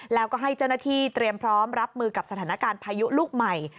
แล้วก็ให้เจ้าหน้าที่เตรียมพร้อมรับมือกับสถานการณ์พายุลูกใหม่